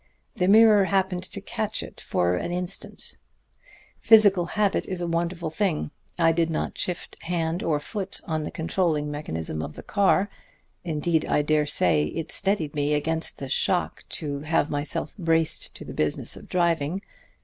The mirror happened to catch it for an instant. "Physical habit is a wonderful thing. I did not shift hand or foot on the controlling mechanism of the car. Indeed, I dare say it steadied me against the shock to have myself braced to the business of driving.